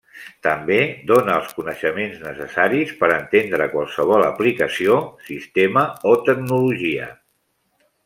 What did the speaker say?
També dóna els coneixements necessaris per entendre qualsevol aplicació, sistema o tecnologia.